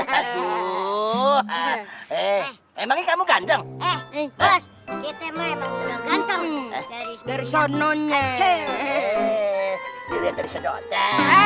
hai eh emang kamu ganteng eh bos kita memang ganteng dari dari sono nya